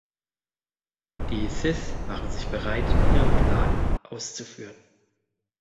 Die Sith machen sich bereit, ihren Plan auszuführen.